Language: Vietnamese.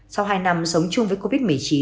sau hai năm sống chung với covid một mươi chín